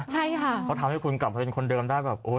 ใช่ค่ะเขาทำให้คุณกลับมาเป็นคนเดิมได้แบบโอ้